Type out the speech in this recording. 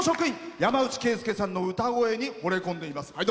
山内惠介さんの歌声にほれ込んでいます。